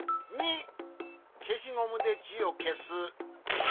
けしゴムでじをけす。